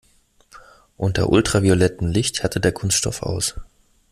Unter ultraviolettem Licht härtet der Kunststoff aus.